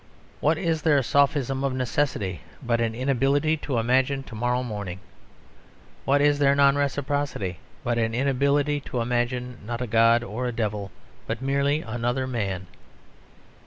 What is their sophism of "necessity" but an inability to imagine to morrow morning? What is their non reciprocity but an inability to imagine, not a god or devil, but merely another man?